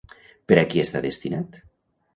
Per a qui està destinat?